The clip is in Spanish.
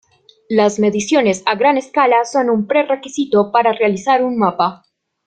Las mediciones a gran escala son un prerrequisito para realizar un mapa.